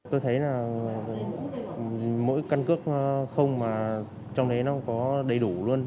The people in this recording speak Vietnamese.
tôi thấy là mỗi căn cước không mà trong đấy nó có đầy đủ luôn